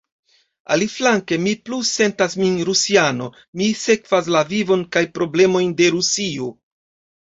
Aliflanke, mi plu sentas min rusiano: mi sekvas la vivon kaj problemojn de Rusio.